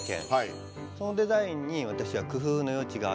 そのデザインに私は工夫の余地があると思いました。